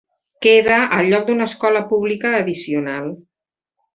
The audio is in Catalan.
Queda el lloc d'una escola pública addicional.